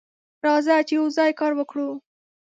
راځه چې یوځای کار وکړو.